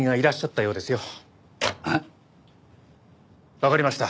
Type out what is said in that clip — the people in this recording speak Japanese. わかりました。